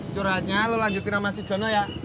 curhatnya lo lanjutin sama si jono ya